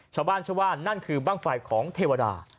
ชาวบ้านเชื่อว่านั่นคือบ้างไฟของเทวดา